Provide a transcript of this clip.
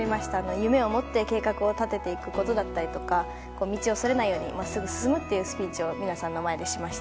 夢を持って、計画を立ててやっていくことだったり道をそれないように真っすぐ進むというスピーチを皆さんの前でしました。